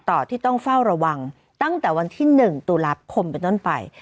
ต่อที่ต้องเฝ้าระวังตั้งแต่วันที่๑ตุลาคมเป็นต้นไป